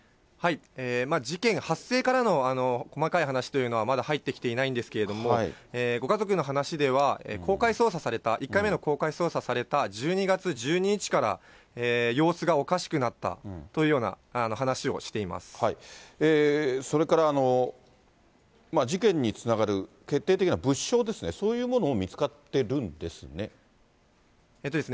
事件発生からの細かい話というのはまだ入ってきていないんですけれども、ご家族の話では、公開捜査された、１回目の公開捜査された１２月１２日から様子がおかしくなったとそれから、事件につながる決定的な物証ですね、そういうものも見つかってるんですね。